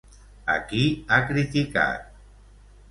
A qui ha criticat?